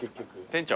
店長？